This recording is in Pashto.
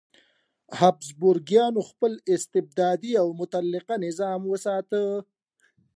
هابسبورګیانو خپل استبدادي او مطلقه نظام وساته.